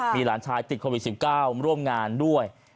มีหลานชายติดโควิด๑๙ร่วมงานด้วย